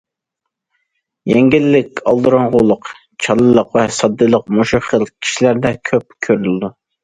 يەڭگىللىك، ئالدىراڭغۇلۇق، چالىلىق ۋە ساددىلىق مۇشۇ خىل كىشىلەردە كۆپ كۆرۈلىدۇ.